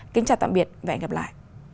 kính chào tạm biệt và hẹn gặp lại